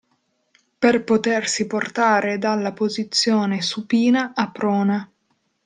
Per potersi portare dalla posizione supina a prona.